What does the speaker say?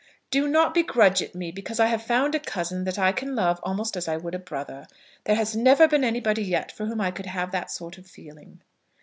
"Do not begrudge it me because I have found a cousin that I can love almost as I would a brother. There has never been anybody yet for whom I could have that sort of feeling."